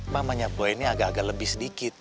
mamanya boy ini agak agak lebih sedikit